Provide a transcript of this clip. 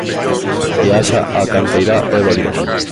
Viaxa a canteirá Eva Dios.